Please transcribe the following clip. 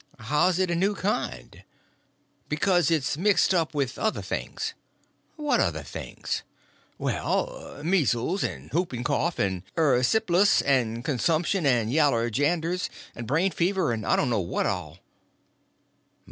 "How's it a new kind?" "Because it's mixed up with other things." "What other things?" "Well, measles, and whooping cough, and erysiplas, and consumption, and yaller janders, and brain fever, and I don't know what all."